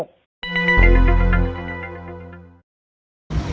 ค่ะค่ะ